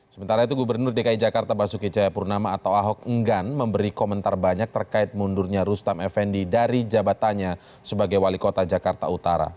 sementara itu gubernur dki jakarta basuki cahayapurnama atau ahok enggan memberi komentar banyak terkait mundurnya rustam effendi dari jabatannya sebagai wali kota jakarta utara